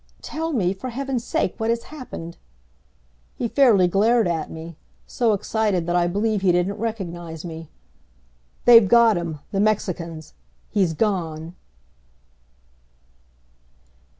"Tell me, for Heaven's sake, what has happened!" He fairly glared at me, so excited that I believe he didn't recognize me. "They've got him the Mexicans! He's gone!"